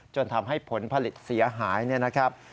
จนทำให้ผลผลิตเสียหายเนี่ยนะครับ